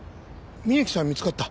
峯木さん見つかった？